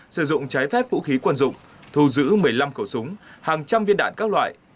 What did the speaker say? sử dụng trái phép vũ khí quân dụng thù giữ một mươi năm khẩu súng hàng trăm viên đạn các loại